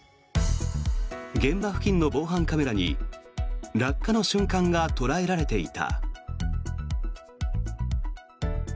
現場付近の防犯カメラに落下の瞬間が捉えられていた。